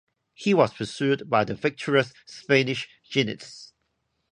He was pursued by the victorious Spanish jinetes.